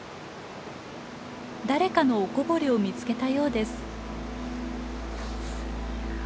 誰かのおこぼれを見つけたようです。